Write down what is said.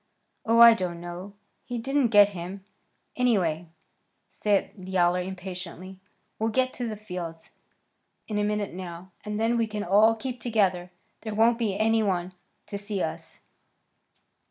"Oh, I don't know. He didn't get him, anyway," said Yowler impatiently. "We'll get to the fields in a minute now, and then we can all keep together. There won't be any one to see us."